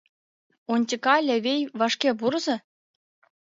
Онтика, Лявей, вашке пурыза!